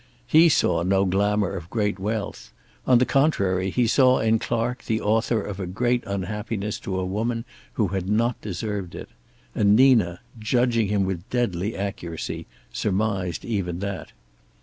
He saw no glamour of great wealth. On the contrary, he saw in Clark the author of a great unhappiness to a woman who had not deserved it. And Nina, judging him with deadly accuracy, surmised even that.